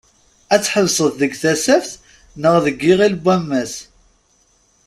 Ad tḥebseḍ deg Tasaft neɣ deg Iɣil n wammas?